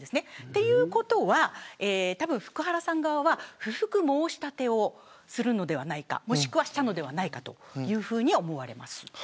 ということはたぶん福原さん側は不服申し立てをするのではないかもしくはしたのではないかというふうに思われます。